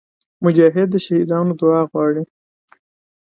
مجاهد د شهیدانو دعا غواړي.